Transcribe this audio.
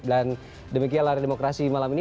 dan demikian lari demokrasi malam ini